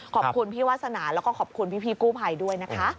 ขอบคุณพี่วาสนาแล้วก็ขอบคุณพี่กู้ภัยด้วยนะคะ